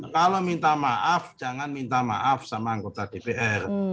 kalau minta maaf jangan minta maaf sama anggota dpr